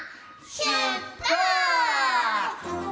しゅっぱつ！